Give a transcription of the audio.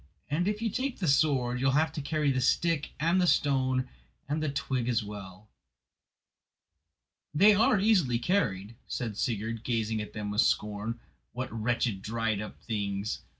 And if you take the sword you will have to carry the stick and the stone and the twig as well." "They are easily carried," said Sigurd, gazing at them with scorn; "what wretched dried up things!